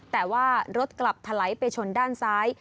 แต่ว่ารถกลับถลายไปชนด้านซ้าย